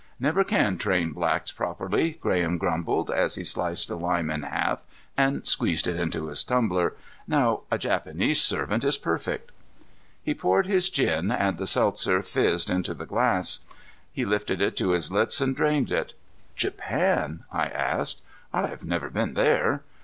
"Never can train blacks properly," Graham grumbled, as he sliced a lime in half and squeezed it into his tumbler. "Now, a Japanese servant is perfect." He poured his gin and the seltzer fizzed into the glass. He lifted it to his lips and drained it. "Japan?" I asked. "I've never been there."